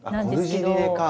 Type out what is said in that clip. コルジリネか。